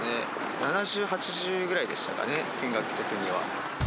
７０、８０ぐらいでしたかね、金額的には。